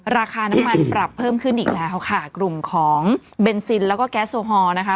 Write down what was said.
ราคาน้ำมันปรับเพิ่มขึ้นอีกแล้วค่ะกลุ่มของเบนซินแล้วก็แก๊สโอฮอลนะคะ